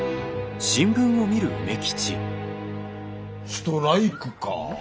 ストライクか。